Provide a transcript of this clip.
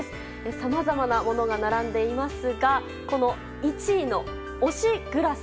さまざまなものが並んでいますがこの、１位の推しグラス。